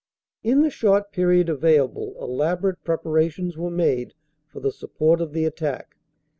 "In the short period available elaborate preparations were made for the support of the attack.